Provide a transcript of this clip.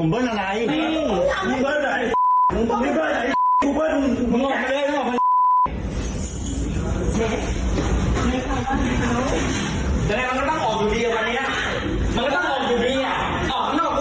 ออกข้างนอกกูข่อยข้างนอก